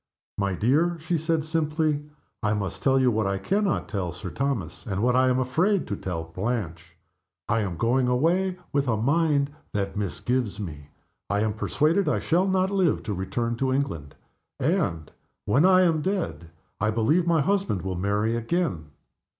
"My dear," she said, simply, "I must tell you what I can not tell Sir Thomas, and what I am afraid to tell Blanche. I am going away, with a mind that misgives me. I am persuaded I shall not live to return to England; and, when I am dead, I believe my husband will marry again.